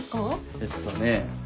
えっとね。